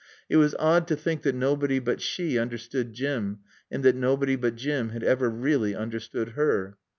It was odd to think that nobody but she understood Jim, and that nobody but Jim had ever really understood her.